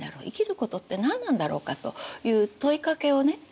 生きることって何なんだろうかという問いかけをね